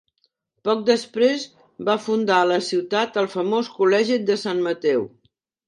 Poc després va fundar a la ciutat el famós col·legi de Sant Mateu.